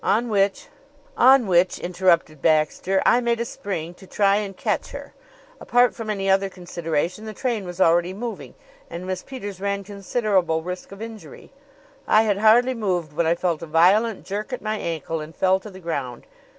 On which " "On which," interrupted Baxter, "I made a spring to try and catch her. Apart from any other consideration, the train was already moving and Miss Peters ran considerable risk of injury. I had hardly moved when I felt a violent jerk at my ankle and fell to the ground.